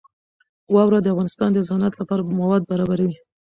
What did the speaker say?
واوره د افغانستان د صنعت لپاره مواد برابروي.